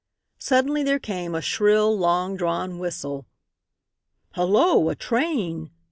Suddenly there came a shrill, long drawn whistle. "Hullo, a train!"